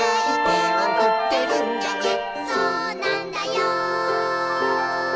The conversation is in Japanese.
「そうなんだよ」